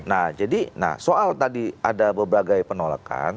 nah jadi nah soal tadi ada berbagai penolakan